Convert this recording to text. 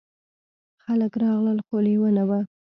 خلک راغلل خو لیوه نه و.